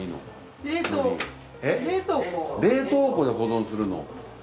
冷凍庫で保存するの。